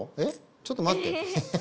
ちょっと待って。